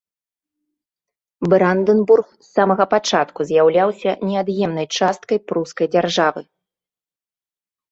Брандэнбург з самага пачатку з'яўляўся неад'емнай часткай прускай дзяржавы.